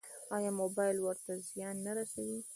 ایا موبایل ورته زیان نه رسوي؟